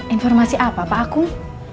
informasi apa pak akum